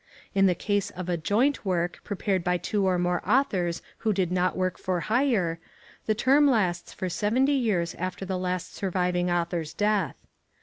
In the case of "a joint work prepared by two or more authors who did not work for hire," the term lasts for 70 years after the last surviving author's death.